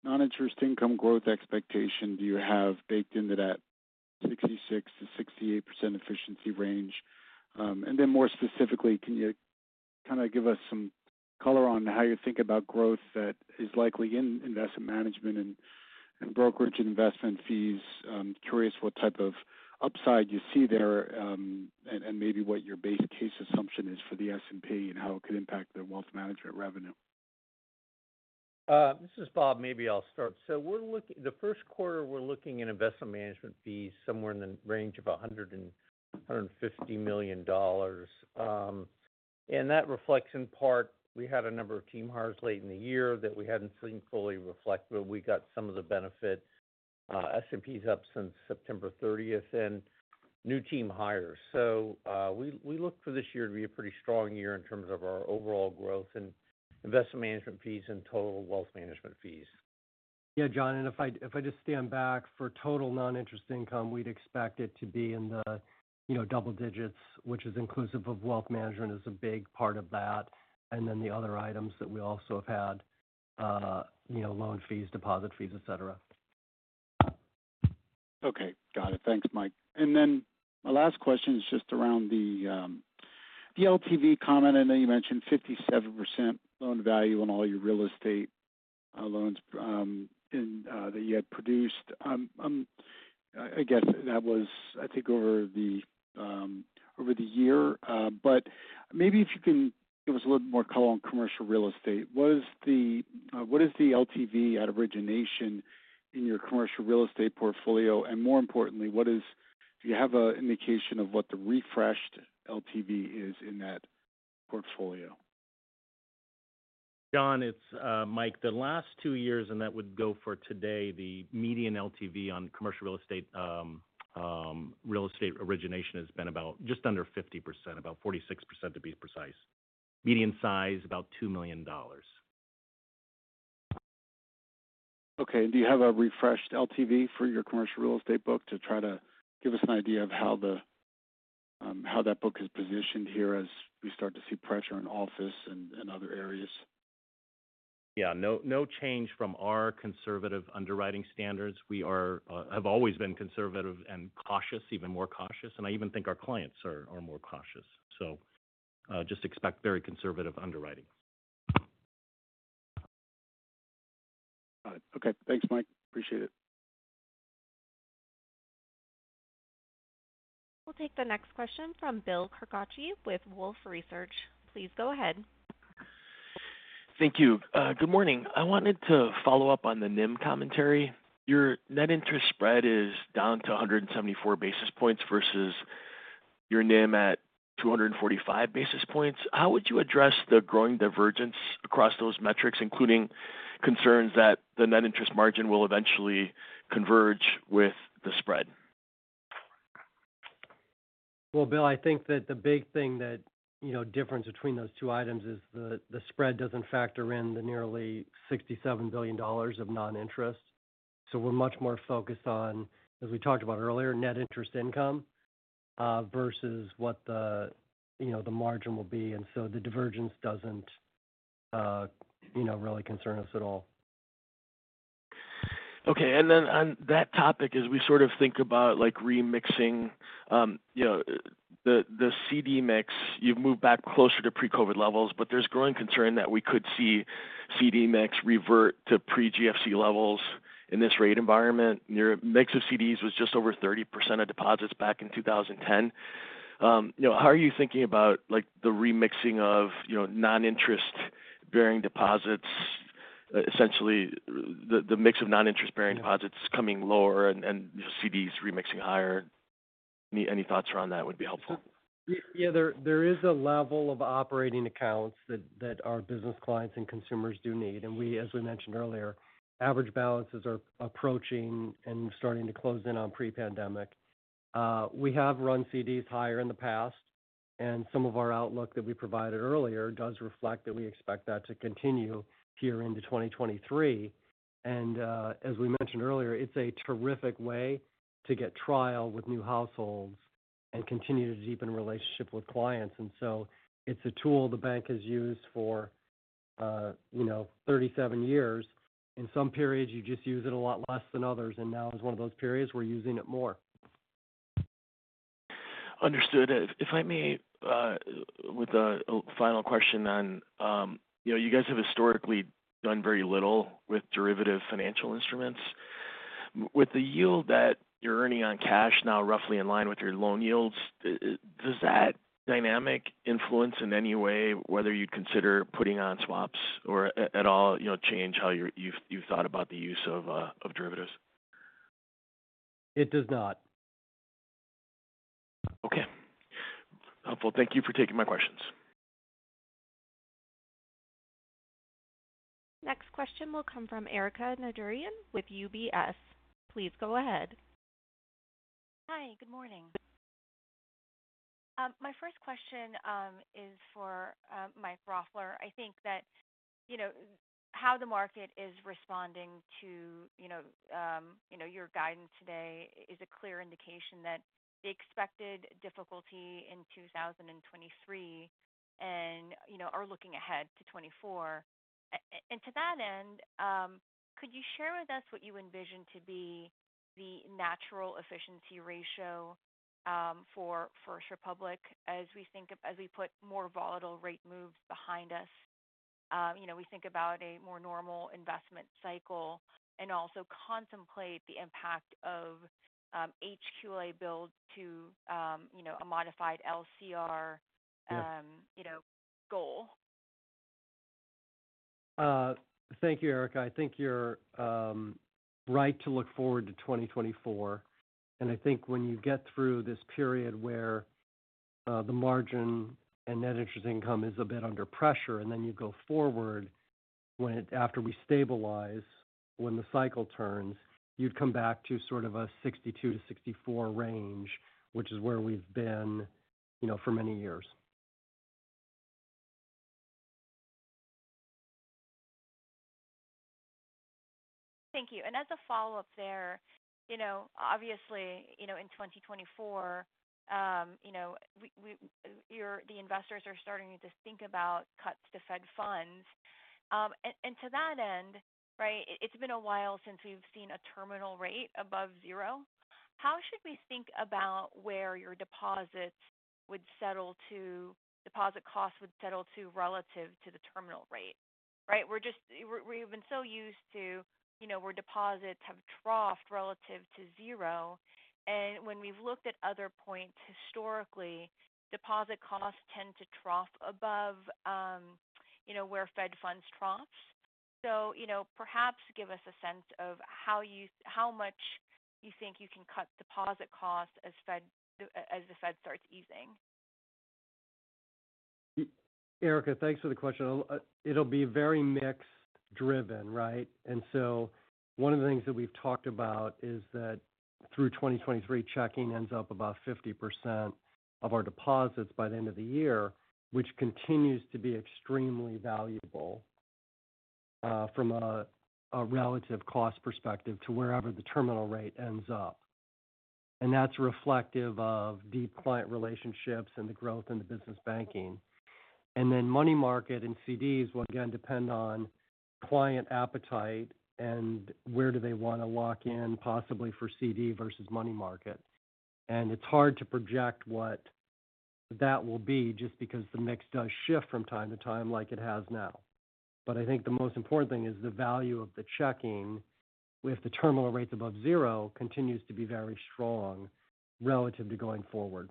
O: non-interest income growth expectation do you have baked into that 66%-68% efficiency range? More specifically, can you kind of give us some color on how you think about growth that is likely in investment management and brokerage and investment fees? Curious what type of upside you see there, and maybe what your base case assumption is for the S&P and how it could impact the wealth management revenue.
F: This is Bob. Maybe I'll start. The first quarter, we're looking at investment management fees somewhere in the range of $150 million. That reflects in part we had a number of team hires late in the year that we hadn't seen fully reflect, but we got some of the benefit. S&P's up since September 30th and new team hires. We look for this year to be a pretty strong year in terms of our overall growth and investment management fees and total wealth management fees.
E: Yeah, John, and if I just stand back, for total non-interest income, we'd expect it to be in the, you know, double digits, which is inclusive of wealth management is a big part of that, and then the other items that we also have had, you know, loan fees, deposit fees, et cetera.
O: Okay. Got it. Thanks, Mike. My last question is just around the LTV comment. I know you mentioned 57% loan value on all your real estate loans in that you had produced. I guess that was, I think, over the year. Maybe if you can give us a little more color on commercial real estate. What is the LTV at origination in your commercial real estate portfolio? More importantly, do you have an indication of what the refreshed LTV is in that portfolio?
E: John, it's Mike. The last two years, and that would go for today, the median LTV on commercial real estate origination has been about just under 50%, about 46% to be precise. Median size, about $2 million.
O: Okay. Do you have a refreshed LTV for your commercial real estate book to try to give us an idea of how that book is positioned here as we start to see pressure in office and other areas?
E: Yeah. No, no change from our conservative underwriting standards. We have always been conservative and cautious, even more cautious, and I even think our clients are more cautious. Just expect very conservative underwriting.
O: All right. Okay. Thanks, Mike. Appreciate it.
A: We'll take the next question from Bill Carcache with Wolfe Research. Please go ahead.
P: Thank you. Good morning. I wanted to follow up on the NIM commentary. Your net interest spread is down to 174 basis points versus your NIM at 245 basis points. How would you address the growing divergence across those metrics, including concerns that the net interest margin will eventually converge with the spread?
D: Bill, I think that the big thing that, you know, difference between those two items is the spread doesn't factor in the nearly $67 billion of non-interest. We're much more focused on, as we talked about earlier, net interest income, versus what the, you know, the margin will be. The divergence doesn't, you know, really concern us at all.
P: Okay. On that topic, as we sort of think about like remixing, you know, the CD mix, you've moved back closer to pre-COVID levels, but there's growing concern that we could see CD mix revert to pre-GFC levels in this rate environment. Your mix of CDs was just over 30% of deposits back in 2010. You know, how are you thinking about like the remixing of, you know, non-interest bearing deposits, essentially the mix of non-interest bearing deposits coming lower and CDs remixing higher. Any thoughts around that would be helpful?
D: Yeah. There is a level of operating accounts that our business clients and consumers do need. As we mentioned earlier, average balances are approaching and starting to close in on pre-pandemic. We have run CDs higher in the past, and some of our outlook that we provided earlier does reflect that we expect that to continue here into 2023. As we mentioned earlier, it's a terrific way to get trial with new households and continue to deepen relationship with clients. So it's a tool the bank has used for, you know, 37 years. In some periods, you just use it a lot less than others, and now is one of those periods we're using it more.
P: Understood. If I may, with a final question on, you know, you guys have historically done very little with derivative financial instruments. With the yield that you're earning on cash now roughly in line with your loan yields, does that dynamic influence in any way whether you'd consider putting on swaps or at all, you know, change how you've thought about the use of derivatives?
D: It does not.
P: Okay. Helpful. Thank you for taking my questions.
A: Next question will come from Erika Najarian with UBS. Please go ahead.
Q: Hi. Good morning. My first question is for Mike Roffler. I think that, you know, how the market is responding to, you know, your guidance today is a clear indication that the expected difficulty in 2023 and, you know, are looking ahead to 2024. To that end, could you share with us what you envision to be the natural efficiency ratio for First Republic as we put more volatile rate moves behind us, you know, we think about a more normal investment cycle and also contemplate the impact of HQLA build to, you know, a modified LCR, you know, goal.
D: Thank you, Erika. I think you're right to look forward to 2024. I think when you get through this period where the margin and net interest income is a bit under pressure, and then you go forward after we stabilize, when the cycle turns, you'd come back to sort of a 62%-64% range, which is where we've been, you know, for many years.
Q: Thank you. As a follow-up there, you know, obviously, you know, in 2024, you know, the investors are starting to think about cuts to Fed funds. To that end, right, it's been a while since we've seen a terminal rate above zero. How should we think about where your deposit costs would settle to relative to the terminal rate? Right? We've been so used to, you know, where deposits have troughed relative to zero. When we've looked at other points historically, deposit costs tend to trough above, you know, where Fed funds troughs. You know, perhaps give us a sense of how much you think you can cut deposit costs as the Fed starts easing.
D: Erika, thanks for the question. It'll be very mix driven, right? One of the things that we've talked about is that through 2023, checking ends up about 50% of our deposits by the end of the year, which continues to be extremely valuable, from a relative cost perspective to wherever the terminal rate ends up. That's reflective of deep client relationships and the growth in the business banking. Money market and CDs will again depend on client appetite and where do they want to lock in, possibly for CD versus money market. It's hard to project what that will be just because the mix does shift from time to time like it has now. I think the most important thing is the value of the checking with the terminal rates above zero continues to be very strong relative to going forward.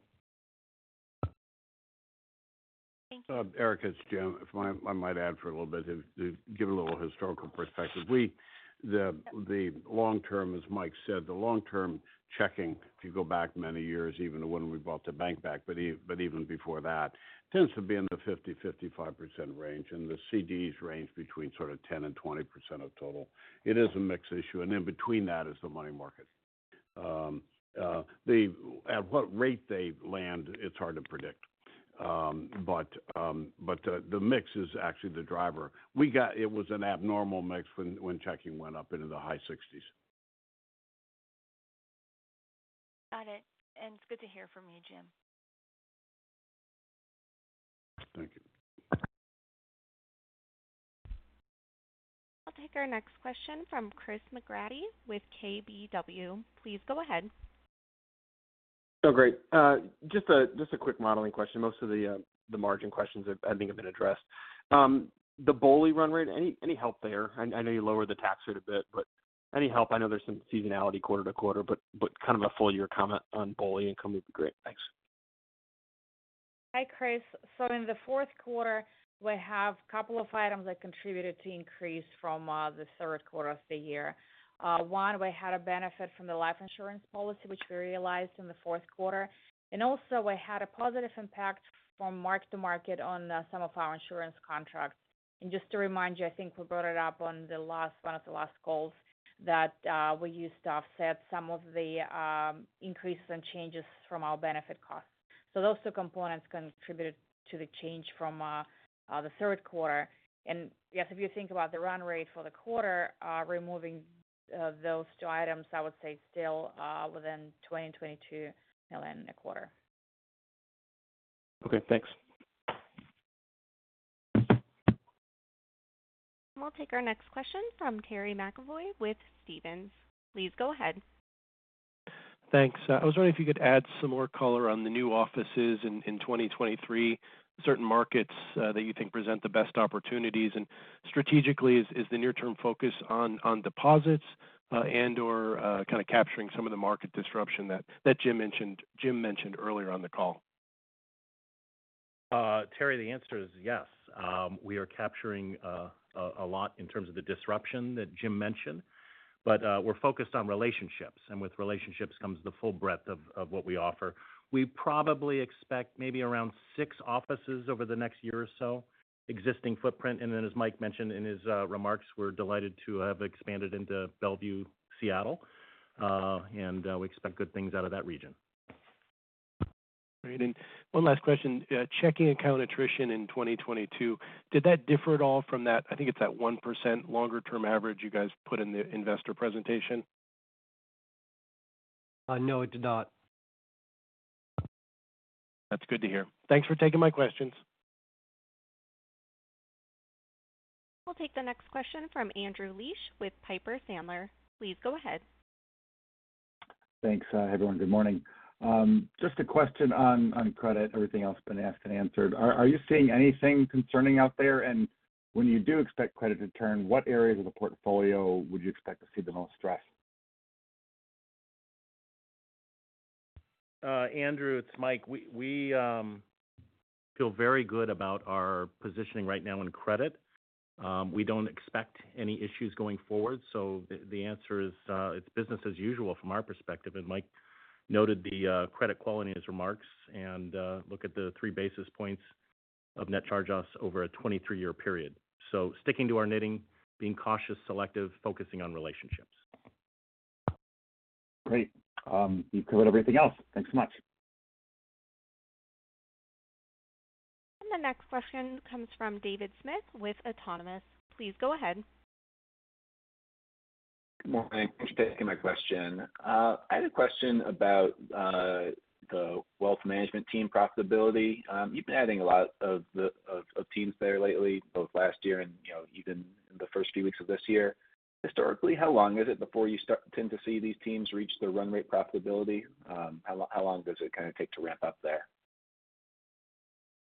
Q: Thank you.
C: Erika, it's Jim. If I might add for a little bit to give a little historical perspective. The long-term, as Mike said, the long-term checking, if you go back many years, even to when we bought the bank back, but even before that, tends to be in the 50%-55% range, and the CDs range between sort of 10% and 20% of total. It is a mix issue. In between that is the money market. At what rate they land, it's hard to predict. The mix is actually the driver. It was an abnormal mix when checking went up into the high 60s.
Q: Got it. It's good to hear from you, Jim.
C: Thank you.
A: I'll take our next question from Chris McGratty with KBW. Please go ahead.
R: Great. Just a quick modeling question. Most of the margin questions I think have been addressed. The BOLI run rate, any help there? I know you lowered the tax rate a bit, but any help? I know there's some seasonality quarter to quarter, but kind of a full year comment on BOLI income would be great. Thanks.
G: Hi, Chris. In the fourth quarter, we have couple of items that contributed to increase from the third quarter of the year. One, we had a benefit from the life insurance policy, which we realized in the fourth quarter. Also we had a positive impact from mark-to-market on some of our insurance contracts. Just to remind you, I think we brought it up on one of the last calls that we used to offset some of the increases and changes from our benefit costs. Those two components contributed to the change from the third quarter. If you think about the run rate for the quarter, removing those two items, I would say still within $20 million-$22 million a quarter.
R: Okay, thanks.
A: We'll take our next question from Terry McEvoy with Stephens. Please go ahead.
S: Thanks. I was wondering if you could add some more color on the new offices in 2023, certain markets that you think present the best opportunities. Strategically, is the near-term focus on deposits and/or kind of capturing some of the market disruption that Jim mentioned earlier on the call?
E: Terry, the answer is yes. We are capturing a lot in terms of the disruption that Jim mentioned, but we're focused on relationships. With relationships comes the full breadth of what we offer. We probably expect maybe around six offices over the next year or so, existing footprint. As Mike mentioned in his remarks, we're delighted to have expanded into Bellevue, Seattle. We expect good things out of that region.
S: Great. One last question. Checking account attrition in 2022, did that differ at all from that, I think it's that 1% longer-term average you guys put in the investor presentation?
E: No, it did not.
S: That's good to hear. Thanks for taking my questions.
A: We'll take the next question from Andrew Liesch with Piper Sandler. Please go ahead.
T: Thanks, everyone. Good morning. Just a question on credit. Everything else has been asked and answered. Are you seeing anything concerning out there? When you do expect credit to turn, what areas of the portfolio would you expect to see the most stress?
E: Andrew, it's Mike. We feel very good about our positioning right now in credit. We don't expect any issues going forward. The answer is, it's business as usual from our perspective. Mike noted the credit quality in his remarks, look at the 3 basis points of net charge-offs over a 23-year period. Sticking to our knitting, being cautious, selective, focusing on relationships.
T: Great. You've covered everything else. Thanks so much.
A: The next question comes from David Smith with Autonomous. Please go ahead.
U: Good morning. Thanks for taking my question. I had a question about the wealth management team profitability. You've been adding a lot of the teams there lately, both last year and, you know, even in the first few weeks of this year. Historically, how long is it before you tend to see these teams reach their run rate profitability? How long does it kinda take to ramp up there?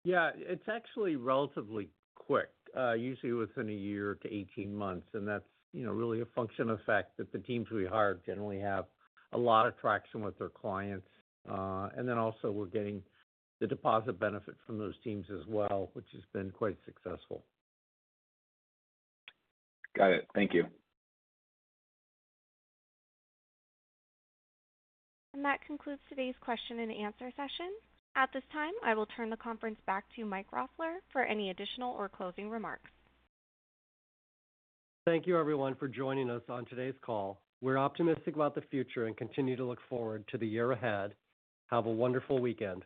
E: Yeah. It's actually relatively quick, usually within a year to 18 months. That's, you know, really a function of the fact that the teams we hire generally have a lot of traction with their clients. Then also we're getting the deposit benefit from those teams as well, which has been quite successful.
U: Got it. Thank you.
A: That concludes today's question and answer session. At this time, I will turn the conference back to Mike Roffler for any additional or closing remarks.
D: Thank you, everyone, for joining us on today's call. We're optimistic about the future and continue to look forward to the year ahead. Have a wonderful weekend.